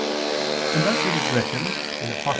And thus it is written (Apoc.